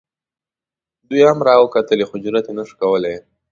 دوی هم را وکتلې خو جرات یې نه شو کولی.